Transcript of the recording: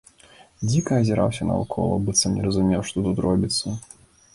Дзіка азіраўся наўкола, быццам не разумеў, што тут робіцца.